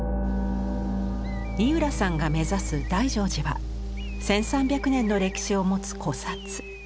井浦さんが目指す大乗寺は１，３００年の歴史を持つ古刹。